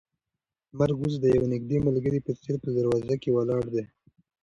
مرګ اوس د یو نږدې ملګري په څېر په دروازه کې ولاړ دی.